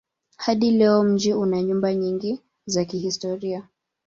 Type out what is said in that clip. Hadi leo mji una nyumba nyingi za kihistoria.